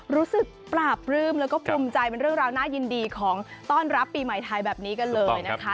รู้สึกปราบปลื้มแล้วก็ภูมิใจเป็นเรื่องราวน่ายินดีของต้อนรับปีใหม่ไทยแบบนี้กันเลยนะคะ